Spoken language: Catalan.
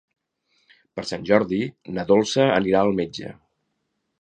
Per Sant Jordi na Dolça anirà al metge.